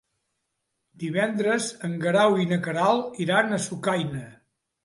Divendres en Guerau i na Queralt iran a Sucaina.